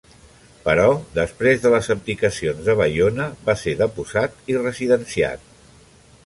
Però després de les abdicacions de Baiona va ser deposat i residenciat.